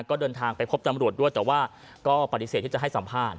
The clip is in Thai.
ก็เดินทางไปพบตำรวจด้วยแต่ว่าก็ปฏิเสธที่จะให้สัมภาษณ